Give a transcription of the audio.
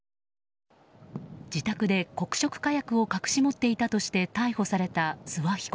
自宅で黒色火薬を隠し持っていたとして逮捕された諏訪被告。